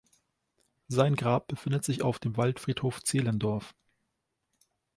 Sein Grab befindet sich auf dem Waldfriedhof Zehlendorf.